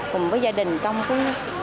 cùng với gia đình trong cái